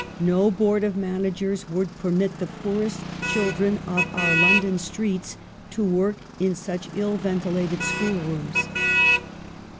No board of managers would permit the poorest children of our Lon don streets to work in such ill ventilated school rooms.